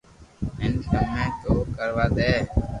ھين ڪمي بي ڪروا دي